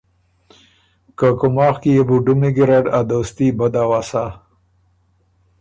که کُوماخ کی يې بُو ډُمی ګیرډ ا دوستي بد اؤسا۔